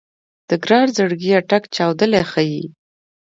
د ګران زړګيه ټک چاودلی ښه يې